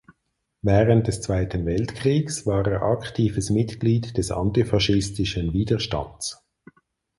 Während des Zweiten Weltkriegs war er aktives Mitglied des antifaschistischen Widerstands.